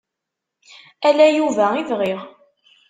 Ala Yuba i bɣiɣ.